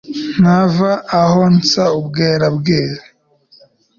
ntava aho nsa n'ubwerabwera